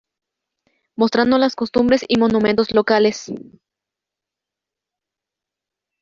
Mostrando las costumbres y monumentos locales.